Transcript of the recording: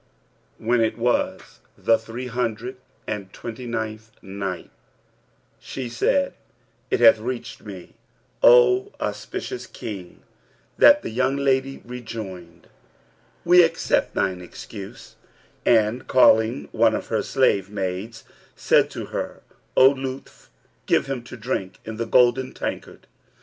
When It was the Three Hundred and Twenty ninth Night, She said, It hath reached me, O auspicious King, that the young lady rejoined, 'We accept thine excuse,' and calling one of her slave maids, said to her, 'O Lutf,[FN#331] give him to drink in the golden tankard.'